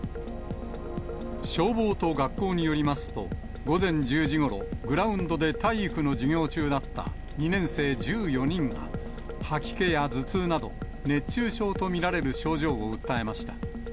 消防と学校によりますと、午前１０時ごろ、グラウンドで体育の授業中だった２年生１４人が吐き気や頭痛など、熱中症と見られる症状を訴えました。